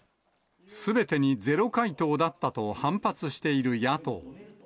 すべてにゼロ回答だったと反発している野党。